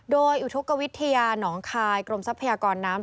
โดยอุทธกวิทยาหนองคายกรมทรัพยากรน้ำ